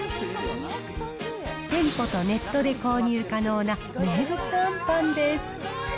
店舗とネットで購入可能な名物あんパンです。